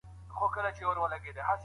اسلام د بنده ګۍ سیسټم نه دی پرې ايښی.